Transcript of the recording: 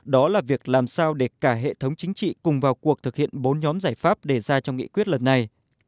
đó là việc làm sao để cả hệ thống chính trị cùng vào cuộc thực hiện bốn nhóm giải pháp đề ra trong nghị quyết lần này